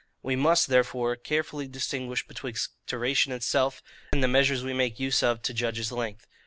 We must, therefore, carefully distinguish betwixt duration itself, and the measures we make use of to judge of its length.